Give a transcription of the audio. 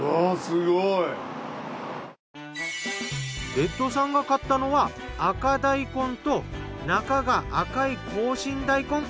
レッドさんが買ったのは赤大根と中が赤い紅心大根。